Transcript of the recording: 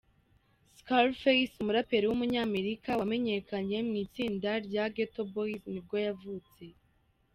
Scarface, umuraperi w’umunyamerika wamenyekanye mu itsinda rya Geto Boys nibwo yavutse.